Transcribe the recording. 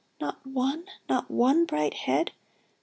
Not one — Not one bright head